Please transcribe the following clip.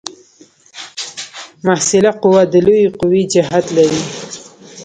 محصله قوه د لویې قوې جهت لري.